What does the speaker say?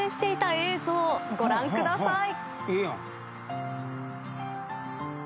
ご覧ください。